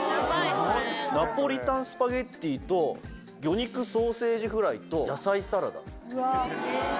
ナポリタンスパゲティと魚肉ソーセージフライと野菜サラダ。